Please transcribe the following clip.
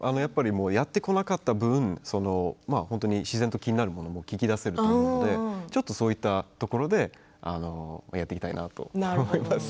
やってこなかった分自然と気になることも聞き出せると思うのでそういったところをやっていきたいと思います。